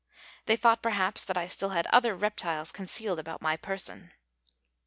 They thought, perhaps, that I still had other reptiles concealed about my person.